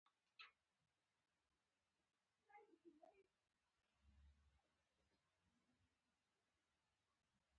د قوانینو په وړاندې د ټولو خلکو برابري ده.